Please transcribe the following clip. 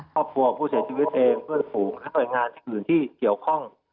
ครอบครัวผู้เสียชีวิตเองเพื่อนฝูงและหน่วยงานอื่นที่เกี่ยวข้อง